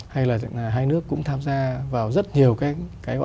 hay là hai nước cũng tham gia vào rất nhiều hành động cụ thể